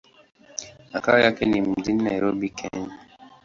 Makao yake ni mjini Nairobi, Kenya.